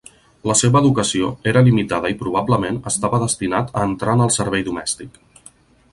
La seva educació era limitada i probablement estava destinat a entrar en el servei domèstic.